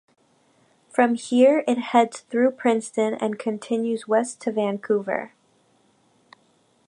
From here, it heads through Princeton and continues west to Vancouver.